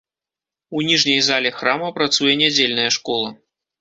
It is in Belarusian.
У ніжняй зале храма працуе нядзельная школа.